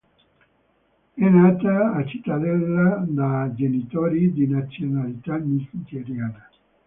È nata a Cittadella da genitori di nazionalità nigeriana.